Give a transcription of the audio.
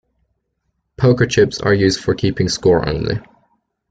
Poker chips are used for keeping score only.